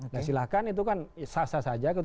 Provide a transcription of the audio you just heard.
ya silahkan itu kan sasa saja